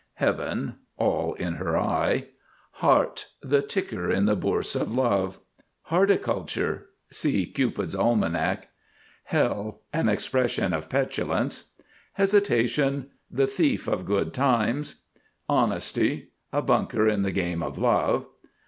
HEAVEN. "All in her eye." HEART. The ticker in the Bourse of Love. HEARTICULTURE. See Cupid's Almanac. HELL! An expression of petulance. HESITATION. The thief of good times. HONESTY. A bunker in the game of Love.